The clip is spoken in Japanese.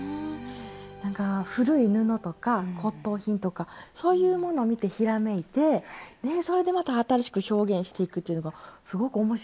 なんか古い布とか骨とう品とかそういうもの見てひらめいてそれでまた新しく表現していくっていうのがすごく面白いですね。